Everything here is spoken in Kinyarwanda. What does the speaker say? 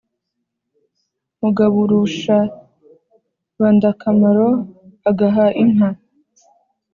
mugaburushabandakamaro agaha inka